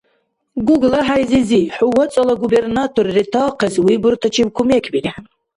ГуглахӀяй-зизи, хӀу вацӀала губернатор ретаахъес выбортачиб кумекбирехӀе.